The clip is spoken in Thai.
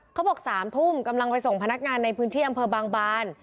เขาบอก๓ทุ่มกำลังไปส่งพนักงานในพื้นที่อำเภอบางบาน